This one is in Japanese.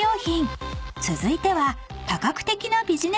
続いては］